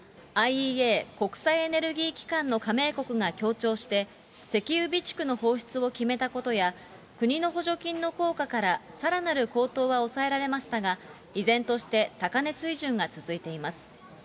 ＩＥＡ・国際エネルギー機関の加盟国が協調して、石油備蓄の放出を決めたことや国のこうかからさらなる高騰は抑えられましたが、依然として高値水準が続いています。